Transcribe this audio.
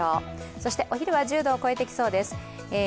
そしてお昼は１０度を超えてきそうです。